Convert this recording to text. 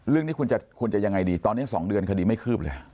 เรื่องนี้ควรจะยังไงดีตอนนี้๒เดือนคดีไม่คืบเลย